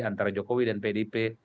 antara jokowi dan pdip